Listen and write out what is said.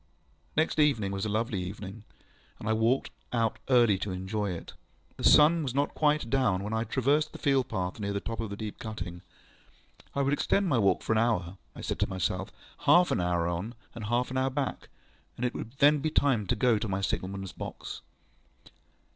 Next evening was a lovely evening, and I walked out early to enjoy it. The sun was not yet quite down when I traversed the field path near the top of the deep cutting. I would extend my walk for an hour, I said to myself, half an hour on and half an hour back, and it would then be time to go to my signal manŌĆÖs box.